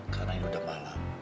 karena ini udah malam